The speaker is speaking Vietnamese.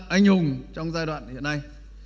anh hùng trong giai đoạn hiện nay